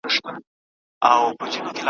په لړمانو په مارانو کي به شپې تېروي `